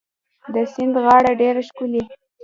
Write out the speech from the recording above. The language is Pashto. د سیند غاړه ډيره ښکلې